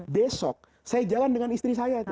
besok saya jalan dengan istri saya itu